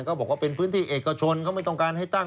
บอกว่าเป็นพื้นที่เอกชนเขาไม่ต้องการให้ตั้ง